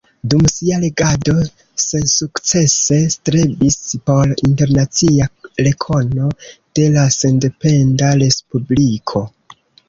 Dum sia regado sensukcese strebis por internacia rekono de la sendependa respubliko.